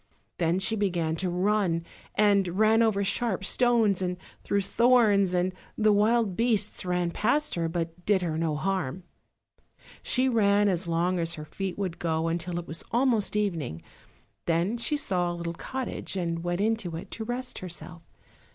Then she began to run, and ran over sharp stones and through thorns, and the wild beasts ran past her, but did her no harm. She ran as long as her feet would go until it was almost evening; then she saw a little cottage and went into it to rest herself.